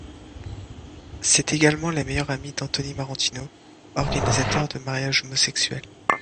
C'est également la meilleure amie d'Anthony Marantino, organisateur de mariage homosexuel.